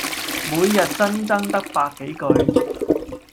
每日新增得百幾句